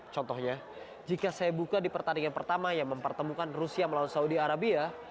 contohnya jika saya buka di pertandingan pertama yang mempertemukan rusia melalui saudi arabia